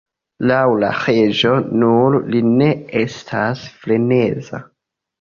Laŭ la reĝo, nur li ne estas freneza.